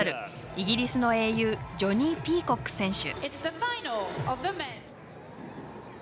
イギリスの英雄ジョニー・ピーコック選手。